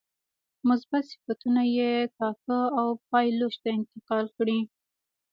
مثبت صفتونه یې کاکه او پایلوچ ته انتقال کړي.